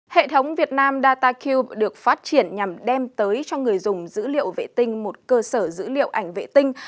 hệ thống việt nam dataq được phát triển nhằm đem tới cho người dùng dữ liệu vệ tinh một cơ sở dữ liệu ảnh vệ tinh